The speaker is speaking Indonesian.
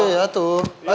ya tuh ya tuh